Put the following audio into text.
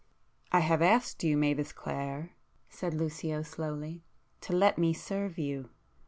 "I have asked you Mavis Clare,"—said Lucio slowly—"to let me serve you.